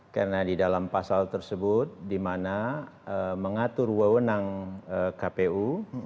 karena di dalam pasal tersebut di mana mengatur wawenang kpu